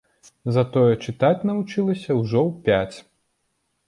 Затое чытаць навучылася ўжо ў пяць.